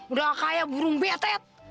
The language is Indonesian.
udah kayak burung betet